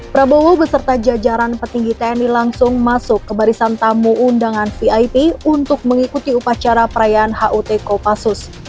prabowo beserta jajaran petinggi tni langsung masuk ke barisan tamu undangan vip untuk mengikuti upacara perayaan hut kopassus